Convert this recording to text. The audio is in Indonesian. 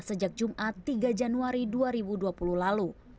sejak jumat tiga januari dua ribu dua puluh lalu